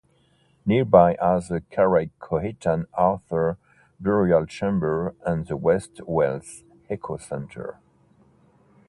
Nearby are the Carreg Coetan Arthur burial chamber and the West Wales Eco Centre.